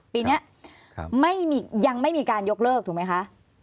ปีนี้ยังไม่มีการยกเลิกถูกไหมคะ